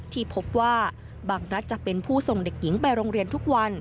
ที่พบว่าบางรัฐจะเป็นผู้ส่งเด็กหญิงไปโรงเรียนทุกวัน